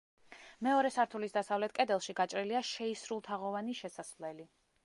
მეორე სართულის დასავლეთ კედელში გაჭრილია შეისრულთაღოვანი შესასვლელი.